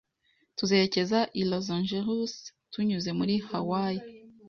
Tuzerekeza i Los Angeles tunyuze muri Hawaii